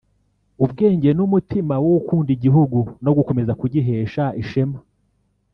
ubwenge n’umutima wo gukunda igihugu no gukomeza kugihesha ishema